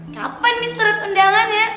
kapan nih surat undangannya